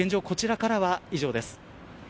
こちらからは以上です。